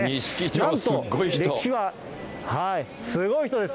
なんと歴史は、すごい人です。